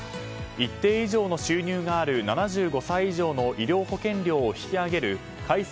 一定以上の収入がある７５歳以上の医療保険料を引き上げる改正